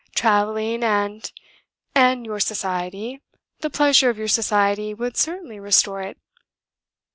Travelling, and ... and your society, the pleasure of your society would certainly restore it.